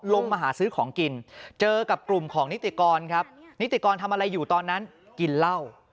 ลงมาหาซื้อของกินเจอกับกลุ่มของนิติกรครับนิติกรทำอะไรอยู่ตอนนั้นกินเหล้า